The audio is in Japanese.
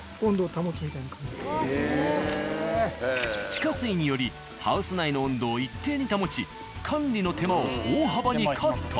地下水によりハウス内の温度を一定に保ち管理の手間を大幅にカット。